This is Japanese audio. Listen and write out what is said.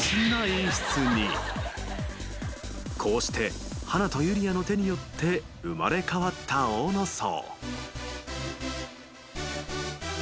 ［こうして華とユリアの手によって生まれ変わった大野荘］